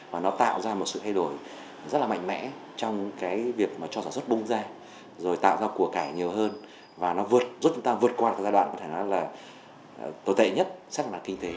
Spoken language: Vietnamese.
và nó tạo ra một cái phần khác